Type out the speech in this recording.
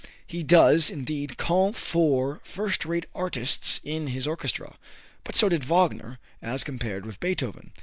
He does, indeed, call for first rate artists in his orchestra; but so did Wagner as compared with Beethoven.